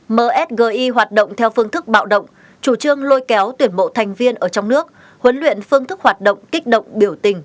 msgi hoạt động theo phương thức bạo động chủ trương lôi kéo tuyển bộ thành viên ở trong nước huấn luyện phương thức hoạt động kích động biểu tình